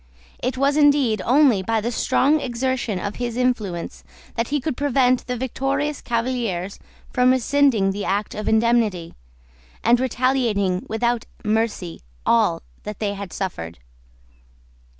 It was indeed only by the strong exertion of his influence that he could prevent the victorious Cavaliers from rescinding the act of indemnity, and retaliating without mercy all that they had suffered.